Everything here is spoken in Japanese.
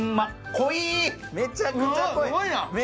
濃い、めちゃくちゃ濃い！